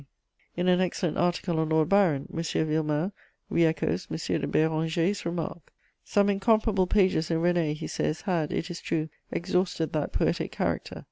_" In an excellent article on Lord Byron, M. Villemain re echoes M. de Béranger's remark: "Some incomparable pages in René" he says, "had, it is true, exhausted that poetic character.